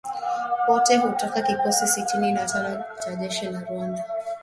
Wote kutoka kikosi cha sitini na tano cha jeshi la Rwanda"